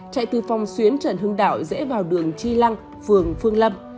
chạy từ phòng xuyến trần hưng đạo rẽ vào đường chi lăng phường phương lâm